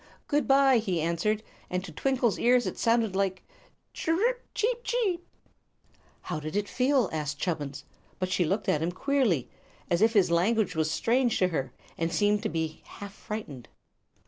"Good bye!" he answered, and to Twinkle's ears it sounded like "Chir r rip chee wee!" "How did it feel?" asked Chubbins; but she looked at him queerly, as if his language was strange to her, and seemed to be half frightened.